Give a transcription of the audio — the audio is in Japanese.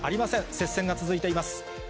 接戦が続いています。